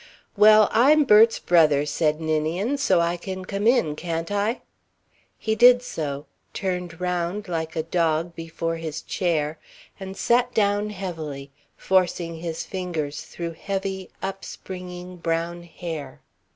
"Well, I'm Bert's brother," said Ninian. "So I can come in, can't I?" He did so, turned round like a dog before his chair and sat down heavily, forcing his fingers through heavy, upspringing brown hair.